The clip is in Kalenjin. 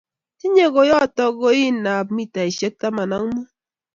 Tinye koyotok koin ab mitaishek taman ak mut